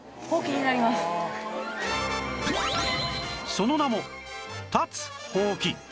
その名も立つほうき